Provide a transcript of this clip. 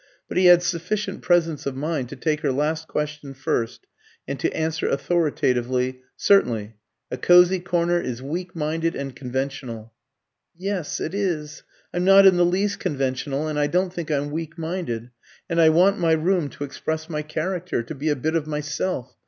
But he had sufficient presence of mind to take her last question first and to answer authoritatively "Certainly. A cosy corner is weak minded and conventional." "Yes, it is. I'm not in the least conventional, and I don't think I'm weak minded. And I want my room to express my character, to be a bit of myself.